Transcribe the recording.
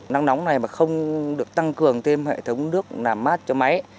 nắng nóng này mà không được tăng cường thêm hệ thống nước làm mát cho máy